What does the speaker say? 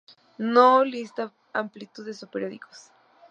No lista amplitudes o períodos.